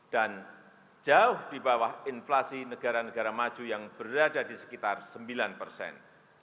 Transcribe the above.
dan jauh di bawah inflasi negara negara maju yang berada di sekitar sembilan persen